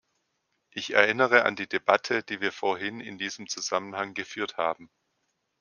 Ich erinnere an die Debatte, die wir vorhin in diesem Zusammenhang geführt haben.